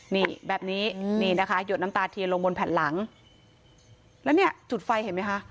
นี่แบบนี้นี่นะคะหยดน้ำตาเทียนลงบนแผ่นหลังแล้วเนี่ยจุดไฟเห็นไหมคะ